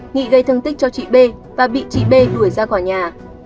nghị gây thương tích cho chị b và bị chị b đuổi ra khỏi nhà